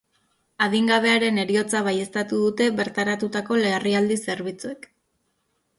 Adingabearen heriotza baieztatu dute bertaratutako larrialdi zerbitzuek.